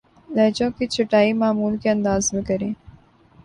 لہجوں کی چھٹائی معمول کے انداز میں کریں